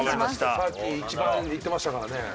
さっき一番いってましたからね。